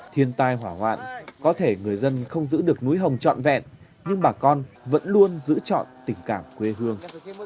thiên tai hỏa hoạn có thể người dân không giữ được núi hồng trọn vẹn nhưng bà con vẫn luôn giữ chọn tình cảm quê hương